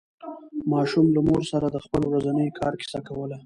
ماشوم له مور سره د خپل ورځني کار کیسه کوله